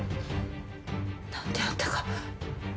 何であんたが？